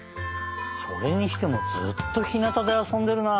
それにしてもずっとひなたであそんでるなあ。